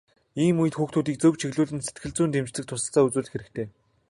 Ийм үед хүүхдийг зөв чиглүүлэн сэтгэл зүйн дэмжлэг туслалцаа үзүүлэх хэрэгтэй.